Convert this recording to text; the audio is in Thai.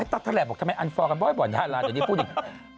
ไอ้ตั๊กทะเลบบอกทำไมอันฟอร์กันบ่อยบ่อยอย่าลาเดี๋ยวนี้พูดอีก